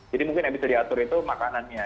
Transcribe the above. jadi mungkin yang bisa diatur itu makanannya